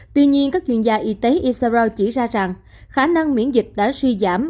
tuy nhiên các chuyên gia y tế isaro chỉ ra rằng khả năng miễn dịch đã suy giảm